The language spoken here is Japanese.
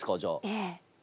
ええ。